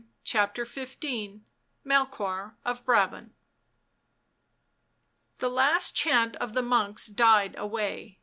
CHAPTER XV MELCHOIR OF BRABANT The last chant of the monks died away.